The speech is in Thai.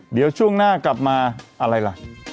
เดี๋ยวช่วงหน้ากลับมาอะไรล่ะ